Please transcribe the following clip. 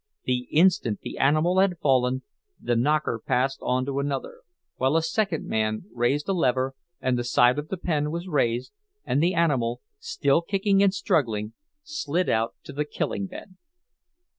The instant the animal had fallen, the "knocker" passed on to another; while a second man raised a lever, and the side of the pen was raised, and the animal, still kicking and struggling, slid out to the "killing bed."